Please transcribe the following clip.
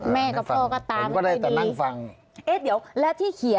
แม่กับพ่อก็ตามอีกที